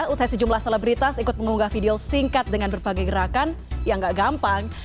usai sejumlah selebritas ikut mengunggah video singkat dengan berbagai gerakan yang gak gampang